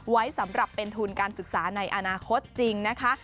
ไว้สำหรับเป็นทุนการศึกษาในอนาคตจริงนะคะ